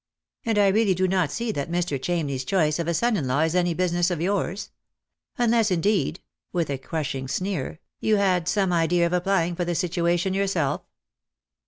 And I really do not see that Mr. Chamney's choice of a son in law is any business of yours. Unless indeed," with a crushing sneer, " you had some idea of applying for the situation your self."